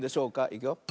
いくよ。